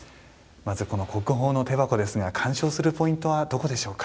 まず、この国宝の手箱ですが鑑賞するポイントはどこでしょうか。